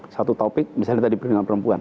satu topik misalnya tadi perlindungan perempuan